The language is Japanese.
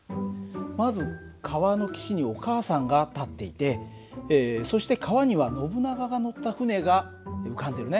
まず川の岸にお母さんが立っていてそして川にはノブナガが乗った船が浮かんでるね。